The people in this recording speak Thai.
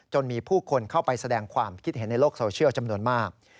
มีผู้คนเข้าไปแสดงความคิดเห็นในโลกโซเชียลจำนวนมาก